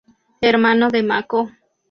Hermano de Mako.